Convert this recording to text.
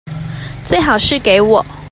最好是給我